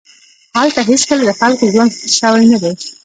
هلته هېڅکله د خلکو ژوند ښه شوی نه دی